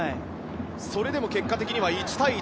それでも結果的には１対１。